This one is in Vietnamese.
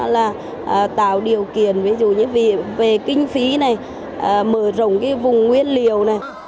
là tạo điều kiện về kinh phí mở rộng vùng nguyên liều